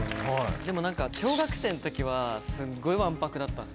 でもなんか、小学生のときはすごいわんぱくだったんです。